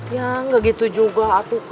ya gak gitu juga